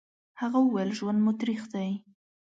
هغه وويل: ژوند مو تريخ دی.